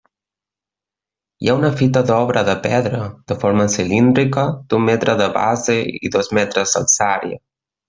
Hi ha una fita d'obra de pedra de forma cilíndrica d'un metre de base i dos metres d'alçària.